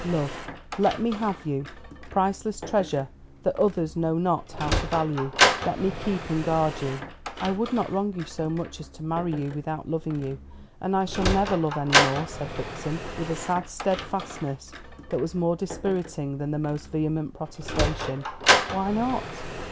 Love, let me have you priceless treasure that others know not how to value. Let me keep and guard you." "I would not wrong you so much as to marry you without loving you, and I shall never love any more," said Vixen, with a sad steadfastness that was more dispiriting than the most vehement protestation. "Why not?"